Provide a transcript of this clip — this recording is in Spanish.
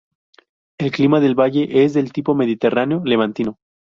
El clima del Valle es del tipo mediterráneo-levantino.